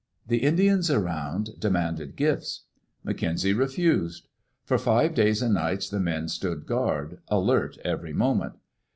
The Indians around demanded gifts. McKenzie re fused. For five days and nights the men stood guard, alert every moment.